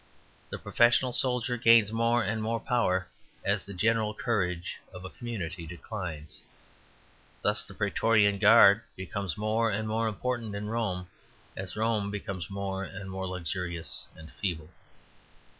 The professional soldier gains more and more power as the general courage of a community declines. Thus the Pretorian guard became more and more important in Rome as Rome became more and more luxurious and feeble.